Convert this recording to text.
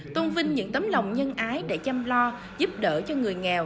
tôn vinh những tấm lòng nhân ái để chăm lo giúp đỡ cho người nghèo